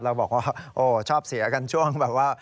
เราบอกว่าชอบเสียกันช่วง